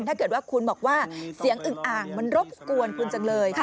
ถ้าเกิดว่าคุณบอกว่าเสียงอึงอ่างมันรบกวนคุณจังเลย